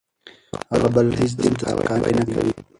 هغه بل هېڅ دین ته سپکاوی نه کوي.